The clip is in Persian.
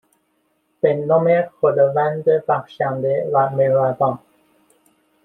به نام خداوند بخشنده و مهربان